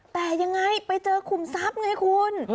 แต่ยังไงไปเจอขุมทรัพย์ไงคุณ